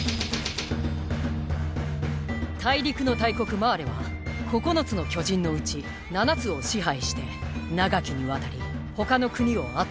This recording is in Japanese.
大陸の大国マーレは九つの巨人のうち七つを支配して長きにわたり他の国を圧倒してきました。